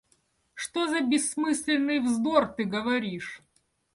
Что за бессмысленный вздор ты говоришь!